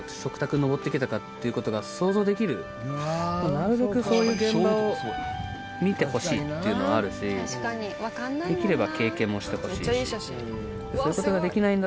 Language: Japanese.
なるべくそういう現場を見てほしいっていうのはあるしできれば。